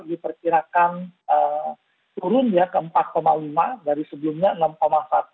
diperkirakan turun ya ke empat lima dari sebelumnya enam satu